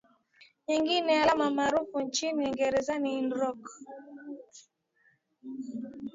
Nyingine alama maarufu nchini Uingereza ni York